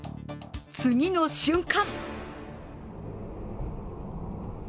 次の瞬間！